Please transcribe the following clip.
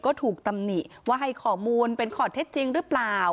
ก็ถูกตำหนิว่าให้ข้อมูลเป็นข้อเท็จจริงหรือเปล่า